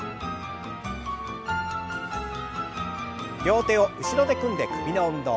両手を後ろで組んで首の運動。